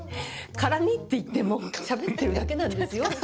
絡みっていってもしゃべってるだけなんですよ？